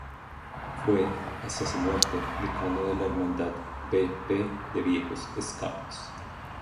Fue, hasta su muerte, decano de La hermandad B-P de viejos Scouts.